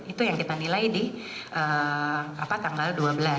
itu yang kita nilai di tanggal dua belas